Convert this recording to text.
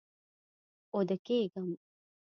اوده کیږم